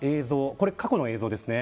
これは過去の映像です。